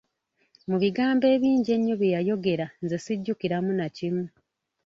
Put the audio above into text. Mu bigambo ebingi ennyo bye yayogera nze sijjukiramu na kimu.